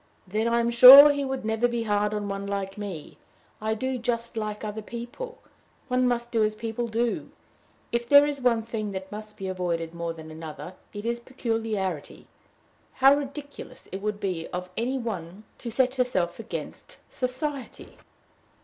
"Then I am sure he would never be hard on one like me. I do just like other people. One must do as people do. If there is one thing that must be avoided more than another, it is peculiarity. How ridiculous it would be of any one to set herself against society!"